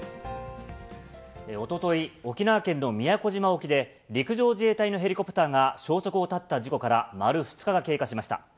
おととい、沖縄県の宮古島沖で、陸上自衛隊のヘリコプターが消息を絶った事故から丸２日が経過しました。